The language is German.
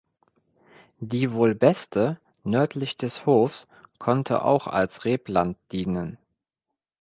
Die wohl beste nördlich des Hofs konnte auch als Rebland dienen.